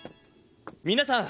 皆さん！